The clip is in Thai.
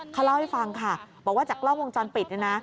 เขาเล่าให้ฟังค่ะบอกว่าจากกล้องวงจรปิดเนี่ยนะ